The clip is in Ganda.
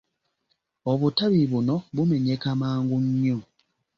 Obutabi buno bumenyeka mangu nnyo.